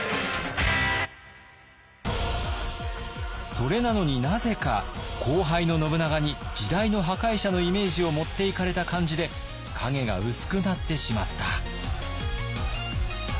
それなのになぜか後輩の信長に時代の破壊者のイメージを持っていかれた感じで影が薄くなってしまった。